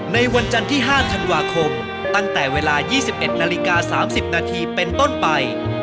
ในวันจันทร์ที่๕ธันวาคมตั้งแต่เวลา๒๑นาฬิกา๓๐นาทีเป็นต้นไป